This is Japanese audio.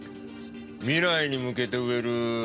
未来に向けて植える花なのさ。